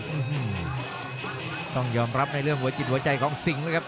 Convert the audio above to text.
อืมต้องยอมรับในเรื่องหัวจิตหัวใจของสิงห์นะครับ